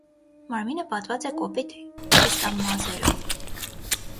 Մարմինը պատված է կոպիտ քիստամազերով։